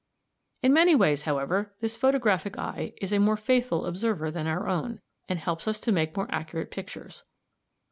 "In many ways, however, this photographic eye is a more faithful observer than our own, and helps us to make more accurate pictures.